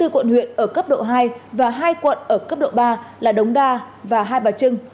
hai mươi quận huyện ở cấp độ hai và hai quận ở cấp độ ba là đống đa và hai bà trưng